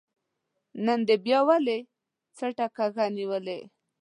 نن دې بيا ولې څټه کږه نيولې ده